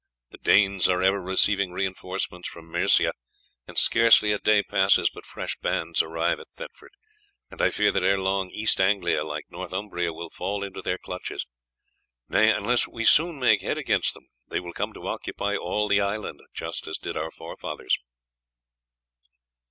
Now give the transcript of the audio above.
The Danes are ever receiving reinforcements from Mercia, and scarce a day passes but fresh bands arrive at Thetford, and I fear that ere long East Anglia, like Northumbria, will fall into their clutches. Nay, unless we soon make head against them they will come to occupy all the island, just as did our forefathers."